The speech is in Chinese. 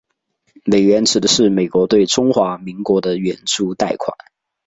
美援指的是美国对中华民国的援助贷款。